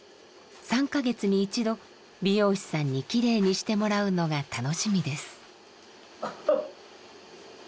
３か月に１度美容師さんにきれいにしてもらうのが楽しみです。